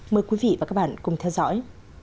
mời quý vị và các bạn cùng theo dõi